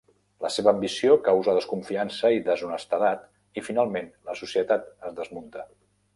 La seva ambició causa desconfiança i deshonestedat i, finalment, la societat es desmunta.